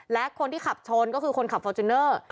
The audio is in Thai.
และคนที่ขับชนก็คือคนขับฟอร์จูเนอร์